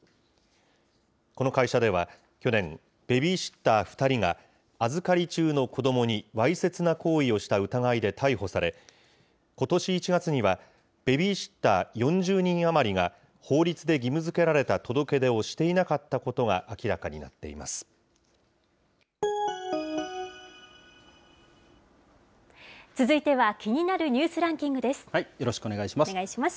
この会社では、去年、ベビーシッター２人が、預かり中の子どもにわいせつな行為をした疑いで逮捕され、ことし１月には、ベビーシッター４０人余りが法律で義務づけられた届け出をしていなかったことが明らかになっています。